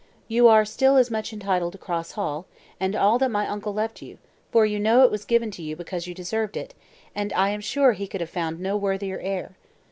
You are still as much entitled to Cross Hall, and all that my uncle left you, for you know it was given to you because you deserved it, and I am sure that he could have found no worthier heir.